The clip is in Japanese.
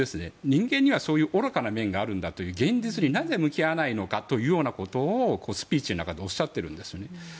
人間にはそういう愚かな面があるという現実になぜ向き合わないのかというようなことをスピーチの中でおっしゃっているんですね。